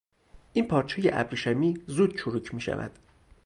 این پارچهی ابریشمی زود چروک میشود.